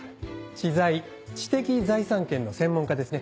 知財知的財産権の専門家ですね。